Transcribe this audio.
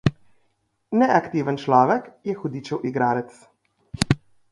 Neaktiven človek je hudičev igralec.